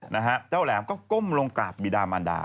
นะฮะเจ้าแหลมก็ก้มลงกราบบีดามันดา